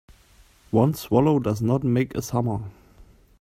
One swallow does not make a summer.